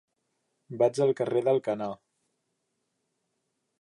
Vaig al carrer d'Alcanar.